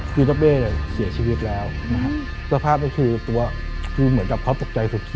กิ๊ดะเป๊ะแหละเสียชีวิตแล้วนะฮะสภาพนี้คือตัวที่เหมือนกับพ่อตกใจ